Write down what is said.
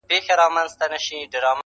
پر لویو غرو د خدای نظر دی٫